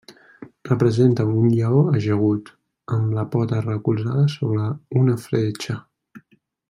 Representa un lleó ajagut, amb la pota recolzada sobre una fletxa.